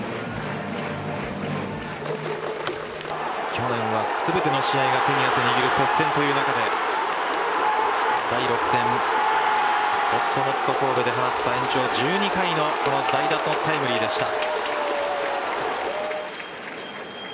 去年は全ての試合が手に汗握る接戦という中で第６戦ほっともっと神戸で放った延長１２回のタイムリーでした。